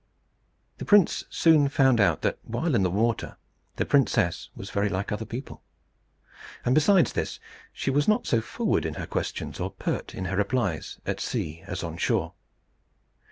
The prince soon found out that while in the water the princess was very like other people. And besides this, she was not so forward in her questions or pert in her replies at sea as on shore.